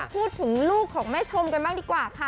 พูดถึงลูกของแม่ชมกันบ้างดีกว่าค่ะ